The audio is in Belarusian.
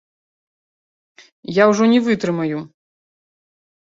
Я ўжо не вытрымаю!